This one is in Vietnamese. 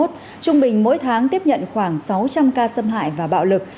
trung bình mỗi tháng tiếp nhận khoảng sáu trăm linh ca xâm hại và bạo lực